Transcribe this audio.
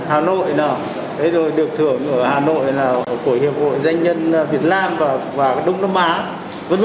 hà nội hà nội là một của những hội doanh nhân việt nam và đông nam á v v